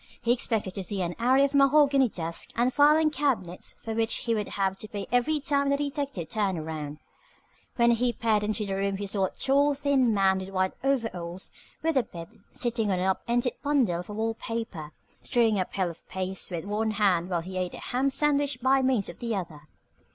He expected to see an array of mahogany desks and filing cabinets for which he would have to pay every time the detective turned around. When he peered into the room he saw a tall, thin man in white overalls with a bib, sitting on an up ended bundle of wall paper, stirring a pail of paste with one hand while he ate a ham sandwich by means of the other.